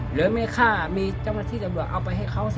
หรือแม่มีเจ้ามฤทธิศรัวร์เอาไปให้เขา